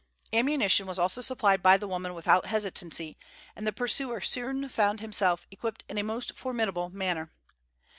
Ammunition was also supplied by the woman without hesitancy, and the pursuer soon found himself equipped in a most formidable manner.